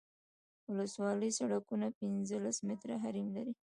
ولسوالي سرکونه پنځلس متره حریم لري